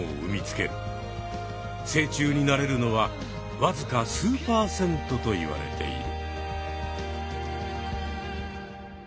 成虫になれるのはわずか数％といわれている。